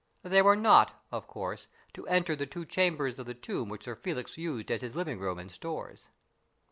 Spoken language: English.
They were not, of course, to enter the two chambers of the tomb which Sir Felix used as his living room and stores.